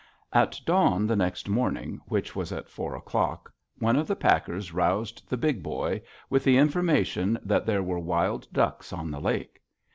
At dawn the next morning, which was at four o'clock, one of the packers roused the Big Boy with the information that there were wild ducks on the lake.